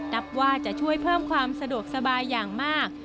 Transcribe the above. นับว่าจะช่วยเพิ่มความสะดวกสบายอย่างมาก